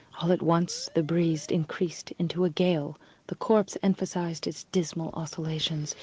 All at once the breeze increased into a gale. The corpse emphasized its dismal oscillations.